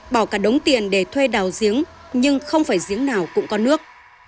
bỏ cả đống tiền để thuê đào giếng nhưng không phải giếng nào cũng có nước